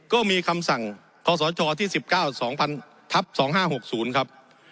ก็มีคำสั่งขชที่สิบเก้าสองพันทับสองห้าหกศูนย์ครับ